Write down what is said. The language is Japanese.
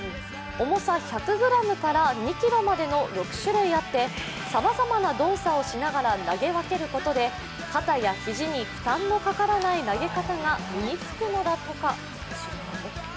重さ１００ｇから２ｋｇまでの６種類あって、さまざまな動作をしながら投げ分けることで、肩や肘に負担のかからない投げ方が身につくのだとか。